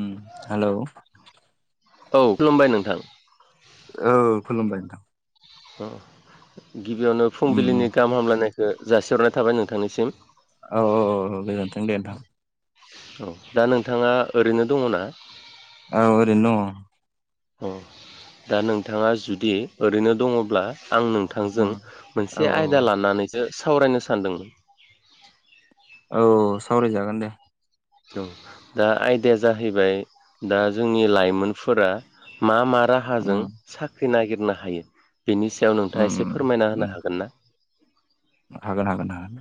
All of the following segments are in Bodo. ओम हेल' औ खुलुमबाय नोंथां औ खुलुमबाय नोंथां अ गिबियावनो उम फुंबिलिनि उम गाहाम हामलायनायखौ जासिहरनाय थाबाय नोंथांनिसिम औ औ औ गोजोन्थों दे नोंथां औ दा नोंथाङा ओरैनो दङ ना औ ओरैनो दङ ओम दा नोंथाङा जुदि ओरैनो दङब्ला आं नोंथांजों दङ औ मोनसे औ आयदा लानानैसो सावरायनो सानदोंमोन औ सावरायजागोन दे औ दा आयदाया जाहैबाय दा जोंनि लाइमोनफोरा मा मा राहाजों उम साख्रि नागिरनो हायो बेनि सायाव नोंथाङा उम एसे उम फोरमायना होनो उम हागोन ना हागोन हागोन हागोन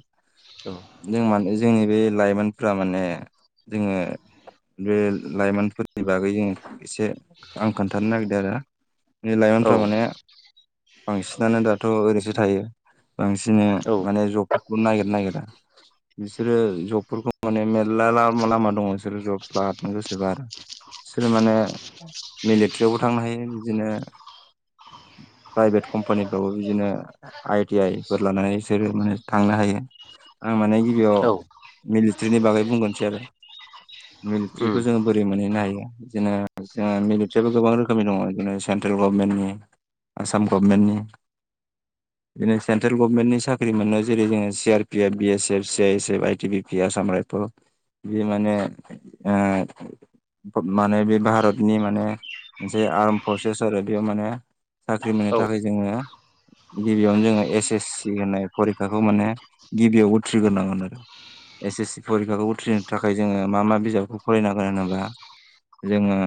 जों मान जोंनि बे लाइमोनफ्रा माने जोङो बे लाइमोनफोर बे बागै जों एसे आं खोन्थानो नागिरदों आरो औ लाइमोनफ्रा माने बांसिनानो दाथ' ओरैसो थायो बांसिन बिदिनो औ माने जबफोरखौ नायगिरनो नागिरा बिसोरो जबफोरखौ माने मेरला लामा लामा दङ बिसोरो जब लाहरनो गोसोबा आरो सोर माने मिलिटारियावबो थांनो हायो बिदिनो प्राइभेट कम्पानिफ्रावबो बिदिनो आइ टि आइ फोर लानानै बिसोरो माने थांनो हायो आं माने गिबियाव मिलिटारिनि बागै बुंगोनसै आरो मिलिट्रिखौ जोङो बोरै मोनहैनो हायो बिदिनो जों मिलिट्रियाबो गोबां रोखोमनि दङ जदिनो सेन्ट्रेल गभमेन्टनि आसाम गभमेन्टनि बिनो सेन्ट्रेल गभनमेन्टनि साख्रि मोनो जेरै जोङो C R P F B S F C I S F I T B P Assam rifle बे माने ओ माने बे भारतनि माने मोनसे आर्म फर्सेस आरो बेयाव माने साख्रि मोननो औ थाखाय जोङो गिबियावनो जोङो ए एस एस सि होननाय फरिखाखौ माने गिबियाव उथ्रिग्रोनांगोन आरो एस एस सि परिखाखौ उथ्रिनो थाखाय जोङो मा मा बिजाबखौ फरायनांगोन होनोबा जोङो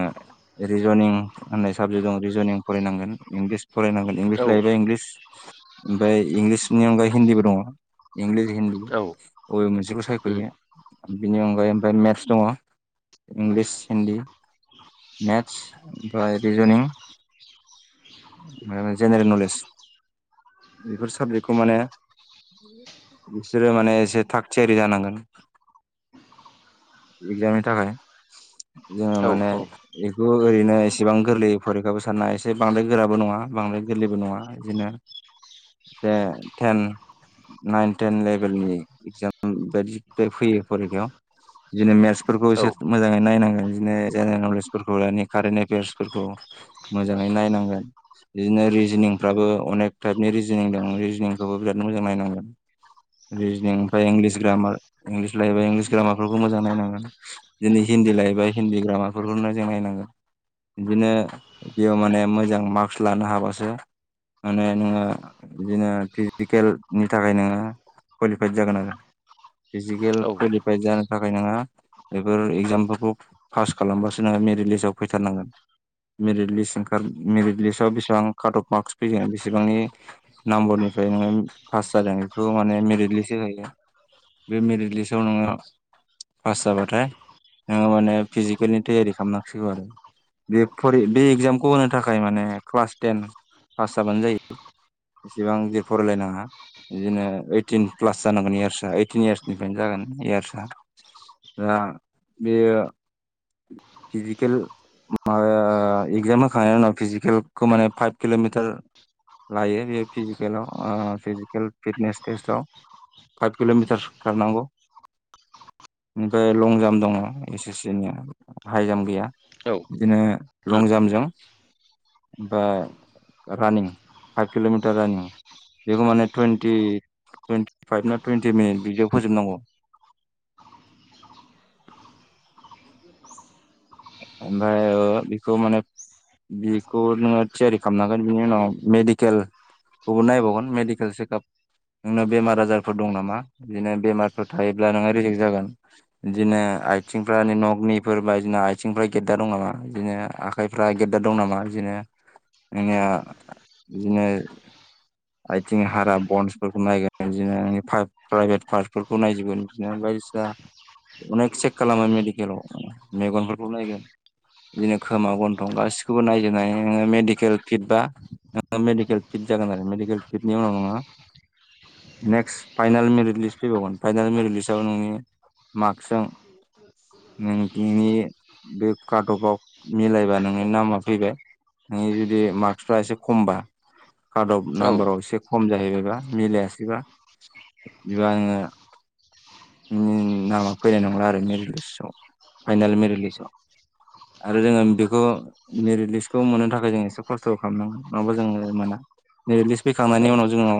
रिजनिं होननाय साबजेक्टजों रिजनिं फरायनांगोन इंलिस फरायनांगोन औ इंलिस लायोबा इंलिस ओमफ्राय इंलिसनि अनगायै हिन्दीबो दङ इंलिस हिन्दी बबे मोनसेखौ सायख'यो बिनि अनगायै ओमफ्राय मेथ्स दङ इंलिस हिन्दी मेथ्स बा रिजनिं जेनेरेल नलेज बेफोर साबजेक्टखौ माने बिसोरो माने एसे थाग थियारि जानांगोन [inaudible] एक्जामनि थाखाय जोङो औ माने बेखौ ओरैनो एसेबां गोरलै फरिखाबो साननाया एसे बांद्राय गोराबो नङा बांङाय गोरलैबो नङा बिदिनो जेनथेन नाइन टेन लेभेलनि इगजाम बायदि फैयो फैरिखायाव बिदिनो मेथ्सफोरखौ औ एसे मोजांङै नायनांगोन बिदिनो जेनेरेल नलेजफोरखौ मान कारेेनट एफेयार्सफोरखौ मोजांङै नायनांगोन बिदिनो रिजनिं फाबो अनेक टाइपनि रिजनिं दं रिजनिंखौबो बिराद मोजां नायनांगोन रिजनिं ओमफ्रायं इंलिस ग्रामार लायोबा इंलिस ग्रामार मोजां नायनांगोन दिनै हिन्दी लायोबा हिन्दी ग्रामारफोरखौनो जों नायनांगोन बिदिनो बेयाव माने मोजां मार्कस लानो हाबासो माने नोंङो बिदिनो फिजिकेलनि थाखाय नोंङो कुवालिफाइद जागोन आरो फिजिकेल औ कुवालिफाइड जानो थाखाय नोंङो बेफोर एगजामफोरखौ पास खालामबासो नोंङो मेरिट लिस्टआव फैथारनांगोन मेरिट लिस्ट ओंखार मेरिट लिस्टआव बेसेबां काट अफ मार्कस फैयोगोन बे बेसेबांनि नाम्बरनिफ्राय नोंङो पास जादों बेखौ माने मेरिट लिस्ट जाहैयो। बे मेरिट लिस्टाव नोंङो पास जाबाथाय नोंङो माने फिजिकेलनि थियारि खालामनांसिगौ आरो बे बे एगजामखौ होनो थाखाय माने क्लास टेन पास जाबानो जायो [inaudible] एसेबां जे फरायलायनाङा बिदिनो ओइटिन प्लास जानांगोन इयारसाआ ओइटिन इयार्सनिफ्रायनो जागोन इयार्स दा बेयो फिजिकेल माबाया इगजाम होखांनायनि उनाव फिजिकेलखौ माने फाइभ किल'मिटार लायो बे फिजिकेलाव फिजिकेल फिटनेस टेस्टआव फाइभ किल'मिटारसो खारनांगौ ओमफ्राय लं जाम्प दंङ एस एस सि नि हाइ जाम्प गैया औ बिदिनो उम लं जाम्पजों ओमफ्राय रानिं फाइभ कि'मिटार रानिं बेखौ मानेुटुटि फाइभ ना टुइन्टि मिनिट बिदियाव फोजोबनांगौ [inaudible] ओमफ्राय बेखौ माने बेखौ नोंङो थियारि खालामनांगोन बिनि उनाव मेडिकेल बेखौबो नाय बगोन मेडिकेल चेकआप नोंनाव बेमार आजारफोर दं नामा बिदिनो बेमारफोर थायोब्ला नोंहा रिेजेक्ट जागोन बिदिनो आइथिंफ्रा नगनिफोर बायदिना आ सिंफ्रा गेद्दार दं नामा बिदिनो आखाइफ्रा गेटदा दं नामा बिदिनो नोनिया बिदिनो आइथिं हारा बन्सफोरखौ नायगोन बिदि प्राइभेट पार्कफोरखौ नायजोबगोन बिदिनो बायदि अनेक चेक खालामो मेडिकेलाव मेगनफोरखौ नायगोन बिदिनो खोमा गन्थं गासिखौबो नायजोबनानै नोंङो मेडिकेल फिट बा मेडकेल फिद जागोनार मेडकेल फिदनि उनावनो नेक्स्ट फाइनेल मेरिट लिस्ट फैबावगोन फाइनेल मेरिट लिस्टआव नोंनि माकसजों ओम नोंनि [unintelligible] बे कारटबाव मिलायबा नोंनि नामा फैबाय नों जुदि मार्कसफ्रा एसे खमबा कारडआव औ नाम्बाराव एसे खम जाहैबायबा मिलायासैबा बिबा आंङो नामा फैनाय नंला आरो मेरि लिस्टआव फाइनेल मेरि लिस्ट [inaudible] आरो जोंङो बेखौ मेरिट लिस्टखौ मोननो थाखाय जों एसे खस्थ' खालामनांगोन नंङाबा जोंङो मोना मेरिद लिस्ट औ फैखांनायनि उनाव जोंनाव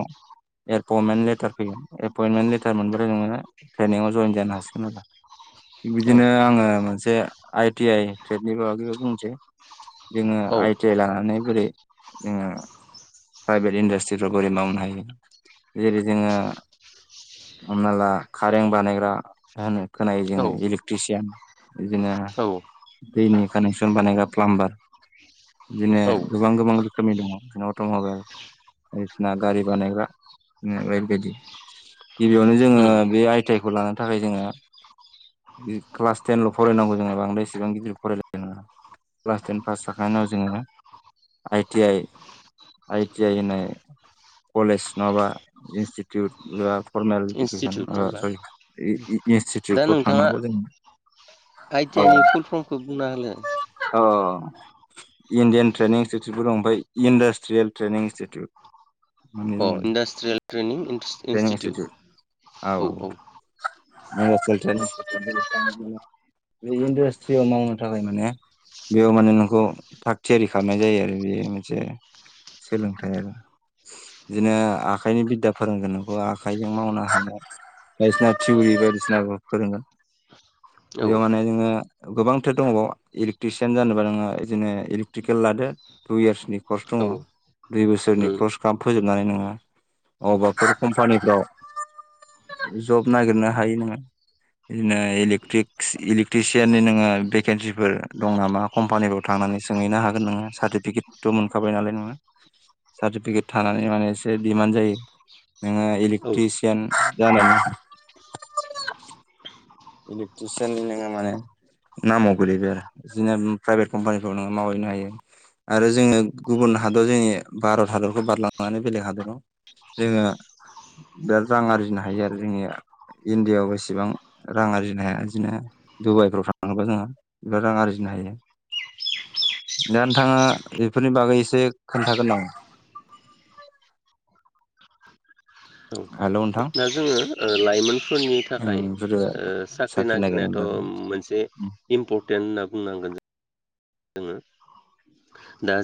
एपइन्टमेन्ट लेटार फैगोन एपइन्टमेन्ट लेटार मोनबथाय नोंङो ट्रेनिंआव जयेन जानो हासिगोन आरो थिग बिदिनो आंङो मोनसे आइ टि आइ ट्रेड नि बागैबो बुंनोसै जोङो औ आइ टि आइ लानानै बोरै जोङो प्राइभेट इन्डास्ट्रिफ्राव बोरै मावनो हायो जेरै जोङो हमना ला कारेन्ट बानायग्रा होनो खोनायो औ जोङो इलेक्ट्रिसियान बिदिनो औ दैनि कानेक्सन बानायग्रा प्लामबार बिदिनो औ गोबां गोबां रोखोमनि दङ अट'मबाइल बाइदिसिना गारि बानायग्रा बायदि -बायदि गिबियावनो जोङो उम बे आइ टि आइखौ लानो थाखाय जोङो क्लास टेन ल' फरायनांगौ जोङो बांद्राय इसेबां गिदिर फरायलाय नाङा क्लास टेन पास जाखांनायनि उनाव जोङो आइटि आइ आइ टि आइ होननाय कलेज नङाबा इनस्टिटिउट फरमेलेस इदुकेसन इनस्टिटिउट नङा ओ होमबा सररि इ- इनस्टिटिउट दा फ्राव नोंथाङा थांनांगौ जों आइ टि आइ नि फुल फर्मखौ बुंना होलाय अ इण्डियान ट्रेइनिं इन्स्टिटिउटबो दं ओमफ्राय इन्डासट्रियेल ट्रेइनिं इनस्टिटिउट अ industrial training training institute institute औ औ बे इन्डासट्रियाव मावनो थाखाय माने बेयाव माने नोंखौ थाग थियारि खालामनाय जायो आरो बेयो मोनसे सोलोंथाइ आरो बिदिनो आखाइनि बिद्दा फोरोंगोन नोंखौ आखाइजों मावनो हानाय बायदिसिना थिउरि बायदिसिना फोरोंगोन औ बेयाव माने जों नोङो गोबांथो दंबाव इलेकट्रिसियान जानोबा नोङो बिदिनो इलेकट्रिकेल लादो टु इयार्सनि कर्स दङ औ दुइ बोसोरनि उम कर्स थाब फोजोबनानै नोङो अबाफोर कम्पानिफ्राव जब नागिरनो हायो नोङो बिदिनो इलेक्ट्रिकस टिसियारनि नोङो भेकेन्सिफोर दं नामा कम्पानिफ्राव थांनानै सोंहैनो हागोन नोङो सार्टिफिकेट मोनखाबाय नालाय नोङो सार्टिफिकेट थानानै माने एसे दिमान्ड जायो नोङो औ इलेक्ट्रिसियान जानानै [inaudible] इलेक्ट्रिसियान नोङा माने नामाव गोलैबाय आरो बिदिनो प्राइभेट कम्पानिफ्रावनो मावहैनो हायो आरो जोङो गुबुन हादर जोंनि भारत हादरखौ बारलांनानै बेलेग हादराव जोङो बिराद रां आरजिनो हायो आरो जोंनि इण्डियायाव एसेबां रां आरजिनो हाया बिदिनो दुबाइफ्राव थाङोबा जोङो गोबां रां आरजिनो हायो दा नोंथाङा बेफोरनि बागै एसे खोन्थागोन नामा [inaudible] औ हेल' नोंथां दा जोङो लाइमोनफोरनि ओं थाखाय बेफोरो साख्रि नागिरनायनि नागिरनायाथ' बागै मोनसे इम्पर्टेन्ट होनना बुंनांगोन जोङो दा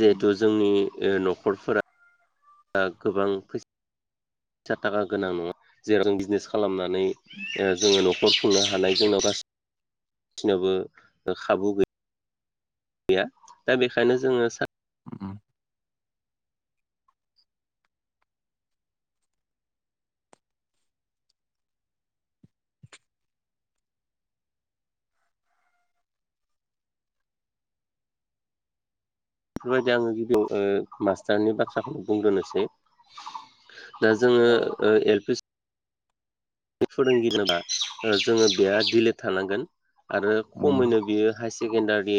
जिहेथु जोंनि न'खरफोरा गोबां फैसा फैसा थाखा गोनां नङा जेरखम बिजनेस खालामनानै जोङो न'खर खुंनो हानाय जोंना गासिबनावबो खाबु गैया गैया दा बेखायनो जोङो उम बेफोरबायदि आङो गिबियाव मास्टारनि बाथ्राखौनो बुंग्रोनोसै दा जोङो औ ओ एल पि फोरोंगिरि बा जोङो बेहा दिलेड थानांगोन आरो उम खमैनो बियो हायसे सेकणारि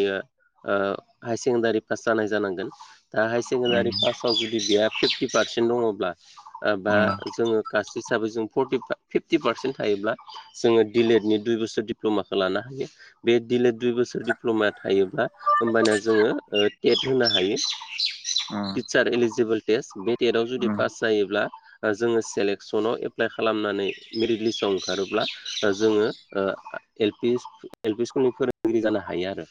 हायार सेकेण्डारि पास जानाय जानांगोन दा हायार सेकेण्डारि उम पासाव जुदि बेहा फिफ्टि पारसेन्ट दङब्ला बा उम जोङो कासट हिसाबै जों फर्टिफाइभ फिफ्टि पारसेन्ट थायोब्ला जोङो डिलेड नि दुइ बोसोर दिप्लमाखो लानो हायो बे दिलेड दुइ बोसोर सोर दिप्लमा थायोब्ला होमबाना जोङो टेट होनो हायो उम टिचार इलिजिबोल टेस्ट बे टेटआव जुदि उम पास जायोब्ला ओ जोङो सेलेकसनाव एप्लाइ खालामनो हायो मेरिट लिस्टआव ओंखारोब्ला जोङो ओ एल पि स्कुलनि फोरोंगिरि जानो हायो हायो आरो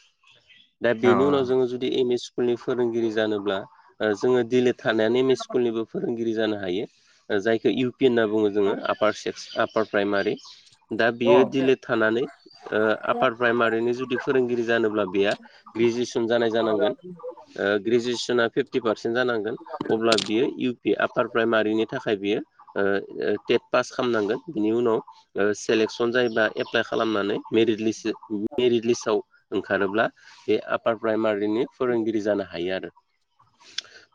दा बेनि उनाव जोङो जुदि एम एस स्कुल नि फोरोंगिरि जानोब्ला ओ जोङो दिलेद थानायानो एम ए स्कुलनिबो फोरोंगिरि जानो हायो जायखौ इउ पि होनना बुङो जोङो आपार सेक्स आपार प्राइमारि दा औ बियो दिलेट थानानै ऐ आपार प्राइमारिनि जुदि फोरोंगिरि जानोब्ला बेयो ग्रेजुवेसन जानाय जानांगोन ऐ ग्रेजुवेसना फिफ्टि पारसेन्ट जानांगोन अब्ला बियो इउ पि आार प्राइमारिनि थाखाय थाखाय बियो ओ टेट पास खालामनांगोन बिनि उनाव सेलेकसन जायोबा एप्लाइ खालाम खालामनानैे मेरिट लिस्टआव ओंखारोब्ला बे आपार प्राइमारि आव बेनि फोरोंगिरि जानो हायो आरो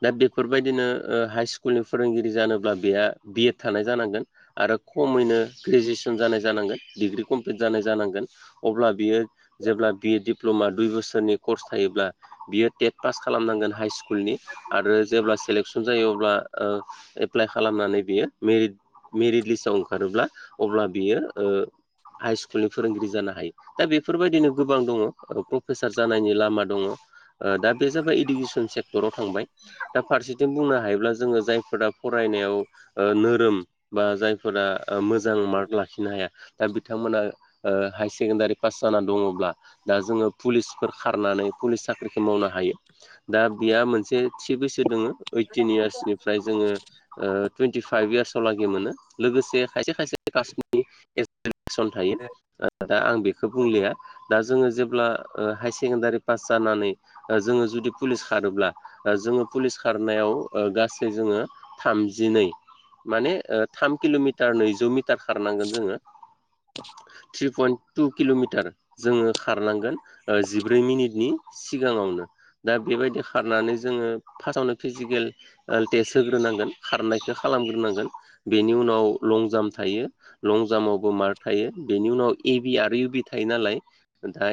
दा बेफोरबायदिनो ओ हाइ स्कुलनि फोरोंगिरि जानोब्ला बेहा बिएड थानाय जानांगोन आरो खमैनो ग्रेजुवेसन जानाय जानांगोन डिग्रि कमप्लिट जानाय जानांगोन अब्ला बियो जेब्ला बि ए दिप्लमा दुइ बोसोरनि कर्स थायोब्ला बियो टेट पास खालामनांगोन हाइ स्कुलनि आरो जेब्ला सेलेकसन जायो अब्ला ओ एप्लाइ खालामनानै बियो मेरिट मेरिट लिस्टआव ओंखारोब्ला अब्ला बियो हाइ स्कुलनि फोरोंगिरि जानो हायो दा बेफोरबायदिनो गोबां दङ प्रफेसार जानायनि लामा दङ ओ दा बे जाबाय इडुकेसन सेक्टराव थांबाय दा फारसेथिं बुंनो हायो हायोब्ला जोङो जायफोरा फरायनायाव ओ नोरोम बा जायफोरा मोजां मार्क लाखिनो हाया दा बिथांमोना ओ हायार सेकेण्डारि पास जाना दङब्ला दा जोङो पुलिसफोर खारनानै पुलिस साख्रिखौ मावनो हायो दा बिया मोनसे थि बैसो दोङो‌ ओयटटिन‌ इयारसनिफ्राय जोङो तुइनतिफाइभ इयार्स आव लागे मोनो लोगोसे खायसे खायसे [unintelligible] सन थायो औ दा आं बेखौ बुंलिया दा जोङो जेब्ला हायार सेकेण्डारि पास जायो जानानै जोङो जुदि पुलिस खारोब्ला जोङो पुलिस खारनायाव ओ गासै जोङो थामजिनै माने ओ‌ थाम किलमिटार नैजौ मिटार खारनांगोन जोङो [inaudible] थ्रि पइन्ट टु किलमिटार जोङो खारनांगोन जिब्रै मिनिटनि सिगाङावनो दा बेबायदि खारनानै जोङो फार्स्टआवनो फिजिकेल ओ टेस्ट होग्रोनांगोन खारनायखो खालामग्रोनांगोन बेनि उनाव लं जाम्प थायो लं जाम्पआवबो मार्क थायो बेनि उनाव ए बि आरो इउ बि थायो नालाय दा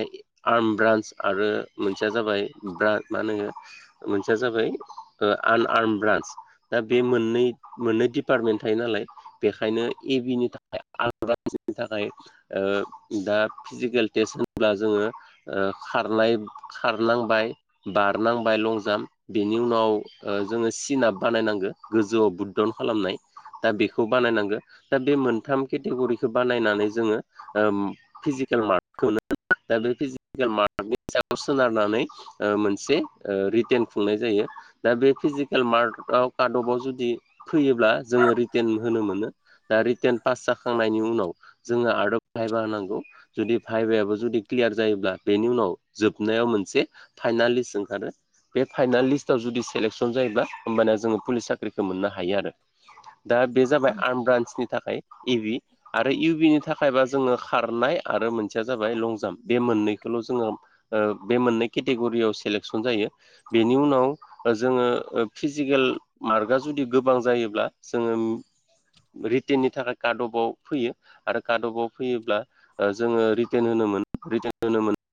आर्म ब्रान्स आरो मोनसेया जाबाय मा ब्रा होनो मोनसेया जाबाय ओ आन आर्म ब्रान्स दा बे मोननै मोननै डिपार्टमेन्ट थायो नालाय बेखायनो ए बि नि थाखाय आलादा बेनि थाखाय ओ दा फिजिकेल टेस्ट होनोब्ला जोङो खारनाय खारनांबाय बारनांबाय लं जाम्प बिनि उनाव ओ जोङो सिनाब बानायनांगौ गो गोजौआव बुददावन खालामनाय दा बेखौ बानायनांगो दा बे मोनथाम केटेगरिखौ बानायनानै जोङो फिजिकेल मार्कखौनो दा बे फिजिकेल मार्कनि सायाव सोनारनानै ओ मोनसे ओ रिटेन खुंनाय जायो दा बे फिजिकेल मार्कआव कादबाव जुदि फैयोब्ला जोङो रिटेन होनो मोनो दा रिटेन पास जाखांनायनि उनाव जोङो आर्ट आरो भायबा होनांगौ जुदि भाइभायाबो जुदि क्लियार जायोब्ला बेनि उनाव जोबनायाव मोनसे फाइनाल लिस्ट ओंखारो बे फाइनाल लिस्टआव जुदि सेलेकसन जायोबा होमबाना जोङो पुलिस साख्रिखौ मोननो हायो आरो दा बे जाबाय आर्म ब्रान्सनि थाखाय इभि आरो इउ बिनि थाखायबा जोङो खारनाय आरो मोनसेया जाबाय लंजाम्प बे मोननैखौल जोङो बे मोननै केटेगरियाव सेलेकसन जायो बेनि उनाव जोङो फिजिक मार्कआ जुदि गोबां जायोब्ला जोङो रिटेननि थाखाय कार्ड अफआव फैयो आरो कार्ड अफआव फैयोब्ला जोङ रिट् होनो रितेन होन [unintelligible]